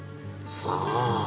さあ。